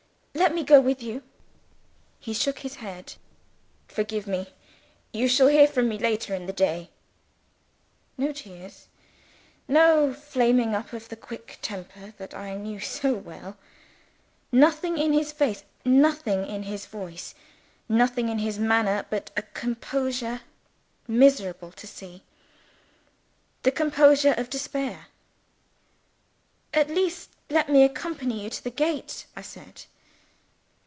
"Let me go with you." He shook his head. "Forgive me. You shall hear from me later in the day." No tears! no flaming up of the quick temper that I knew so well! Nothing in his face, nothing in his voice, nothing in his manner, but a composure miserable to see the composure of despair. "At least, let me accompany you to the gate," I said.